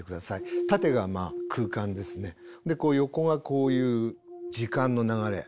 縦が空間ですねで横がこういう時間の流れ。